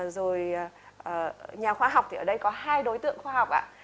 rồi nhà khoa học thì ở đây có hai đối tượng khoa học ạ